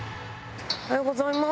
おはようございます。